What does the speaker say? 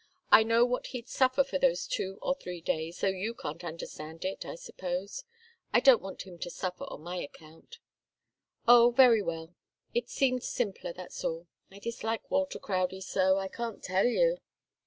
I know what he'd suffer for those two or three days, though you can't understand it, I suppose. I don't want him to suffer on my account." "Oh, very well. It seemed simpler, that's all. I dislike Walter Crowdie so I can't tell you!